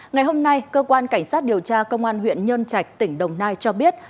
ngày hôm nay cơ quan cảnh sát điều tra công an huyện nhân trạch tỉnh đồng nai cho biết